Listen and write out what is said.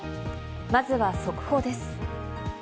まずは速報です。